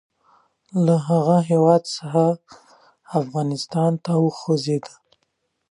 له هغه هیواد څخه افغانستان ته وخوځېدی.